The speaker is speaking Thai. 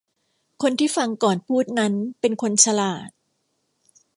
คนที่ฟังก่อนพูดนั้นเป็นคนฉลาด